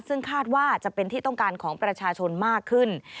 ซึ่งคาดว่าจะเป็นที่ต้องการของประชาชนมากขึ้น